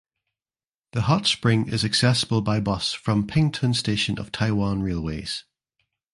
The hot spring is accessible by bus from Pingtung Station of Taiwan Railways.